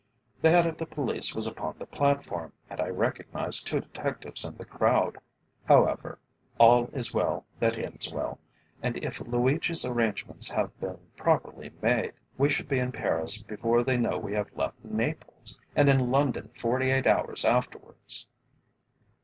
"The Head of the Police was upon the platform, and I recognised two detectives in the crowd. However, all is well that ends well, and if Luigi's arrangements have been properly made, we should be in Paris before they know we have left Naples, and in London forty eight hours afterwards."